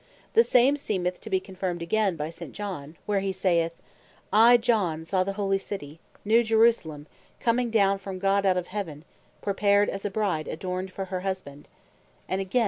The same seemeth to be confirmed again by St. Joh. (Rev. 21.2.) where he saith, "I John saw the Holy City, New Jerusalem, coming down from God out of heaven, prepared as a Bride adorned for her husband:" and again v.